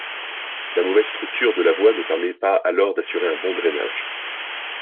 La mauvaise structure de la voie ne permet pas alors d’assurer un bon drainage.